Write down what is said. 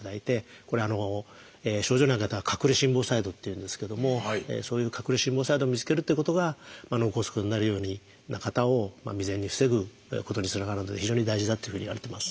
これは症状のない方「隠れ心房細動」っていうんですけどもそういう隠れ心房細動を見つけるっていうことが脳梗塞になるような方を未然に防ぐことにつながるんで非常に大事だっていうふうにいわれてます。